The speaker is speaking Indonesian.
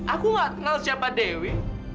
aku gak kenal siapa dewi